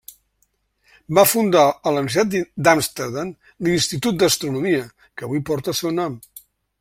Va fundar a la Universitat d'Amsterdam, l'Institut d'Astronomia, que avui porta el seu nom.